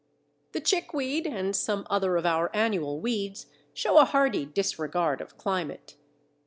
The Chickweed and some other of our annual weeds show a hardy disregard of climate.